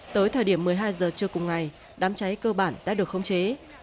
tới thời điểm một mươi hai giờ trưa cùng ngày đám cháy cơ bản đã được khống chế